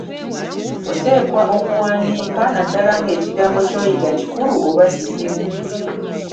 Oteekwa okuwandiika, naddala ng'ekigambo ky'oyiga kikulu oba kizibu.